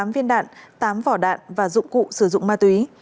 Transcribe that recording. năm mươi tám viên đạn tám vỏ đạn và dụng cụ sử dụng ma túy